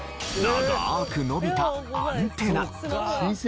長く伸びたアンテナ。